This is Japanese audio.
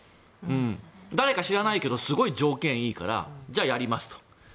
誰か知らないけどすごい条件がいいからじゃあ、やりますと。